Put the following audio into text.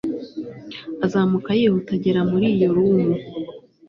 azamuka yihuta agera muri iyo room